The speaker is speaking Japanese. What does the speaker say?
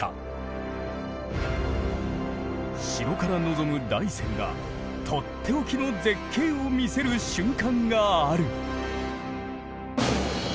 城から望む大山がとっておきの絶景を見せる瞬間がある。